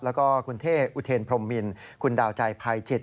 แล้วก็คุณเท่อุเทนพรมมินคุณดาวใจภัยจิต